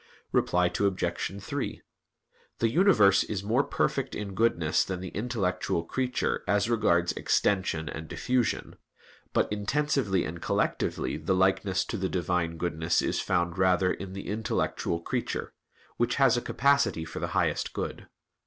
Reply Obj. 3: The universe is more perfect in goodness than the intellectual creature as regards extension and diffusion; but intensively and collectively the likeness to the Divine goodness is found rather in the intellectual creature, which has a capacity for the highest good.